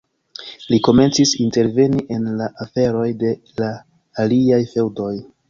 Li komencis interveni en la aferoj de la aliaj feŭdoj.